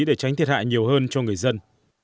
để tránh thiệt hại nhiều hơn cho người dân